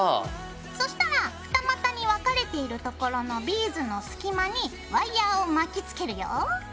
そしたら二股に分かれているところのビーズの隙間にワイヤーを巻きつけるよ。